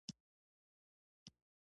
دې وطن کې ځان ځاني ده.